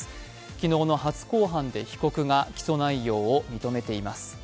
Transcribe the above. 昨日の初公判で被告が起訴内容を認めています